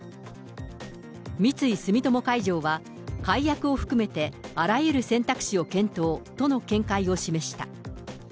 三井住友海上は、解約を含めてあらゆる選択肢を検討との見解を示した。